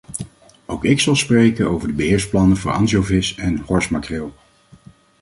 Ook ik zal spreken over de beheersplannen voor ansjovis en horsmakreel.